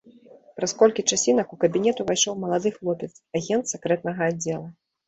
Праз колькі часінак у кабінет увайшоў малады хлопец, агент сакрэтнага аддзела.